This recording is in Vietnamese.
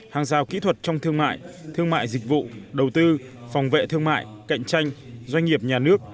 hàng rào kỹ thuật trong thương mại thương mại dịch vụ đầu tư phòng vệ thương mại cạnh tranh doanh nghiệp nhà nước